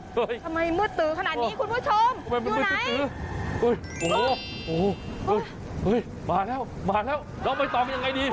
ทำไมมืดตื้อขนาดนี้คุณผู้ชมอยู่ไหนโอ้โหมาแล้วลองไปต่อกันยังไงดี